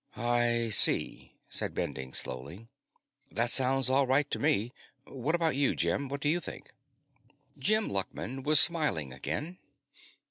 "I see," said Bending slowly. "That sounds all right to me. What about you, Jim? What do you think?" Jim Luckman was smiling again.